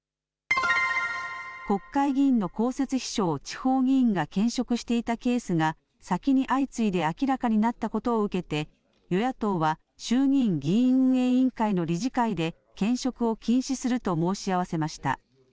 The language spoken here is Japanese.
国会議員の公設秘書を地方議員が兼職していたケースが先に相次いで明らかになったことを受けて与野党は衆議院議員運営委員会の理事会で兼職を禁止すると申し合わせました。